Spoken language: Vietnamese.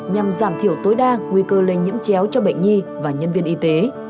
nhằm giảm thiểu tối đa nguy cơ lây nhiễm chéo cho bệnh nhi và nhân viên y tế